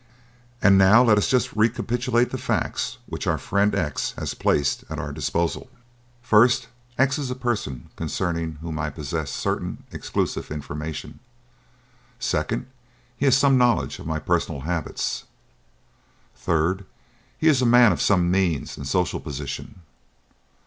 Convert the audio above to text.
And now let us just recapitulate the facts which our friend X has placed at our disposal. "First: X is a person concerning whom I possess certain exclusive information. "Second: He has some knowledge of my personal habits. "Third: He is a man of some means and social position.